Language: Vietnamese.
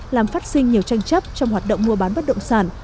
làm phát sinh nhiều tranh chấp trong hoạt động mua bán bất động sản